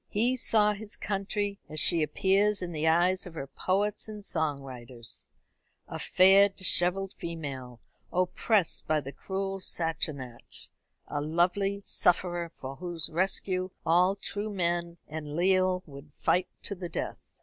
He saw his country as she appears in the eyes of her poets and song writers a fair dishevelled female, oppressed by the cruel Sassenach, a lovely sufferer for whose rescue all true men and leal would fight to the death.